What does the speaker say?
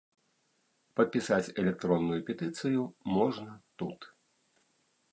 Падпісаць электронную петыцыю можна тут.